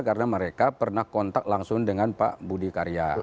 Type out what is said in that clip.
karena mereka pernah kontak langsung dengan pak budi karya